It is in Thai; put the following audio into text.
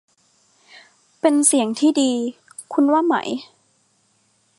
เป็นเสียงที่ดี คุณว่าไหม